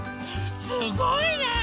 すごいね。